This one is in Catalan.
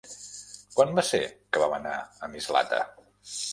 Quan va ser que vam anar a Mislata?